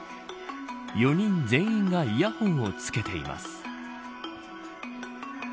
４人全員がイヤホンを着けています。